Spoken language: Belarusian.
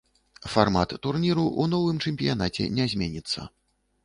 Фармат турніру ў новым чэмпіянаце не зменіцца.